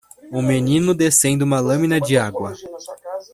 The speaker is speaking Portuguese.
Um menino descendo uma lâmina de água.